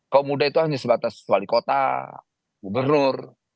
kaum muda itu hanya sebatas wali kota gubernur